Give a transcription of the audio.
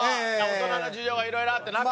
大人の事情がいろいろあって。